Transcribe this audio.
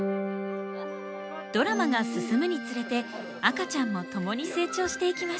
ドラマが進むにつれて赤ちゃんも共に成長していきます。